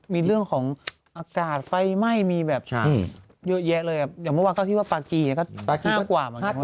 มีเรื่องของอากาศไฟไหม้มีแบบเยอะแยะเลยอย่างเมื่อวานก็คิดว่าปากกี้ปากกี้ต้องกว่า